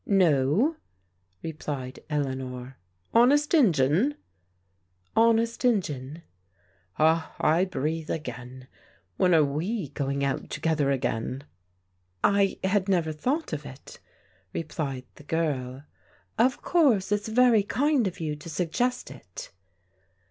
"" No," replied Eleanor. "Honest Injun?" Honest Injun." "Ah, I breathe again. When are we going out to gether again ?"" I had never thought of it," replied the girl. " Of course it's very kind of you to suggest it."